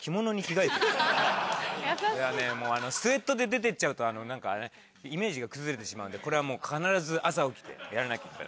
スエットで出て行っちゃうとイメージが崩れてしまうんでこれはもう必ず朝起きてやらなきゃいけない。